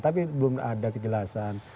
tapi belum ada kejelasan